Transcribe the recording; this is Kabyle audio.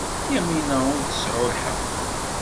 Yamina ur tseɛɛu lḥeqq.